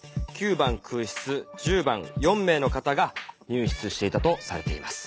９番空室１０番４名の方が入室していたとされています。